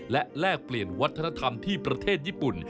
และแลกเปลี่ยนวัฒนธรรมที่ประเทศญี่ปุ่น